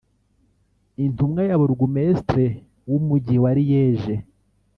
Intumwa ya Bourgoumestre w’umujyi wa Liège